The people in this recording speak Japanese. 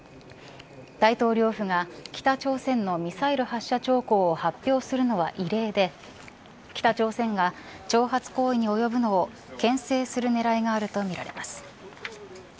大統領府が北朝鮮のミサイル発射兆候を発表するのは異例で北朝鮮が挑発行為に及ぶのをけん制する狙いがあるとみられます。